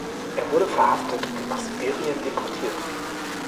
Er wurde verhaftet und nach Sibirien deportiert.